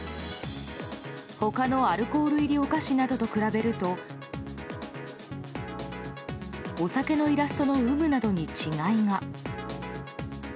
他のアルコール入りお菓子などと比べるとお酒のイラストの有無などに違いが。